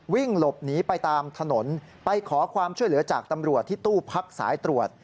วิ่งหลบหนีไปตามถนนไปขอความช่วยเหลือจากตำรวจที่ตู้พักสายตรวจ